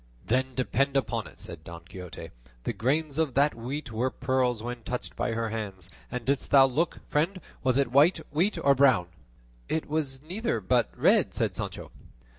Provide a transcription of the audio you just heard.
"Then depend upon it," said Don Quixote, "the grains of that wheat were pearls when touched by her hands; and didst thou look, friend? was it white wheat or brown?" "It was neither, but red," said Sancho.